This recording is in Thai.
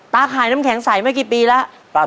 ขายน้ำแข็งใสไม่กี่ปีแล้ว